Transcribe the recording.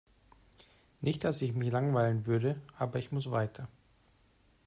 Nicht dass ich mich langweilen würde, aber ich muss weiter.